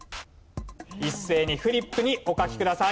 一斉にフリップにお書きください。